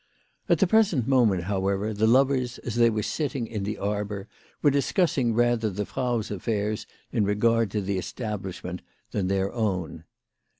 At the present moment, however, the lovers, as they were sitting in the arbour, were discussing rather the Frau's affairs in regard to the establishment than their own.